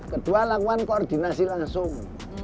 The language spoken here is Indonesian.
kedua lakukan koordinasi langsung